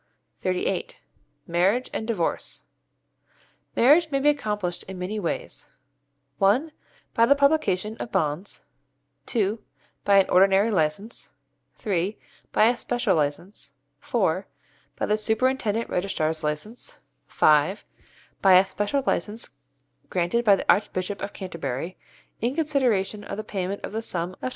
XXXVIII. MARRIAGE AND DIVORCE Marriage may be accomplished in many ways: (1) By the publication of banns; (2) by an ordinary licence; (3) by a special licence; (4) by the Superintendent Registrar's licence; (5) by a special licence granted by the Archbishop of Canterbury in consideration of the payment of the sum of £25.